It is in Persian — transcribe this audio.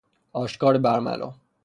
آشکار برملا